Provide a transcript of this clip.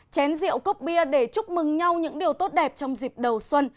chén rượu cốp bia để chúc mừng nhau những điều tốt đẹp trong dịp đầu xuân